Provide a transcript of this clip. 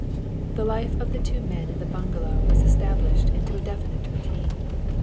The life of the two men in the bungalow was established in a definite routine.